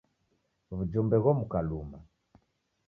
W'ujumbe ghomuka luma.